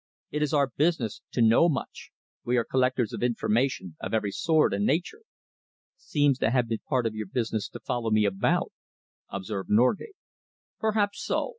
It is our business to know much. We are collectors of information of every sort and nature." "Seems to have been part of your business to follow me about," observed Norgate. "Perhaps so.